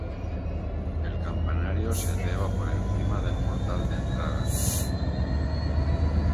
El campanario se eleva por encima del portal de entrada.